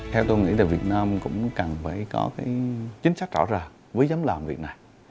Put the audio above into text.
theo tôi nghĩ việt nam cũng cần phải có chính sách rõ ràng với giám làm việt nam